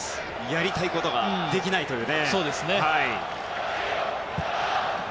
やりたいことができないという。